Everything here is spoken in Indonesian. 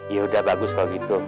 yaudah bagus kalau gitu